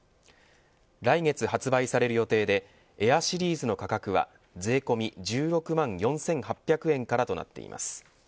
来月発売される予定でＡｉｒシリーズの価格は税込み１６万４８００円からとなっています。